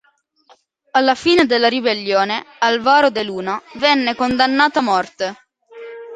Alla fine della ribellione, Álvaro de Luna venne condannato a morte.